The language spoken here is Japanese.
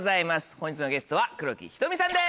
本日のゲストは黒木瞳さんです。